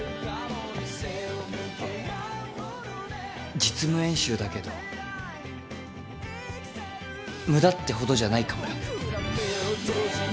実務演習だけど無駄ってほどじゃないかもよ。